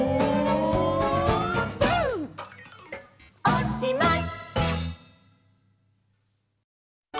おしまい！